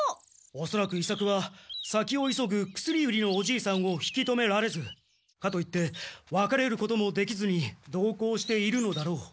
おそらく伊作は先を急ぐ薬売りのおじいさんを引き止められずかといってわかれることもできずに同行しているのだろう。